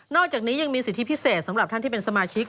อกจากนี้ยังมีสิทธิพิเศษสำหรับท่านที่เป็นสมาชิก